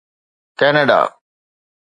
Canada